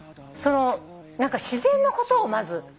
自然のことをまず。